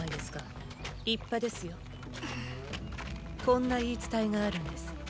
こんな言い伝えがあるんです。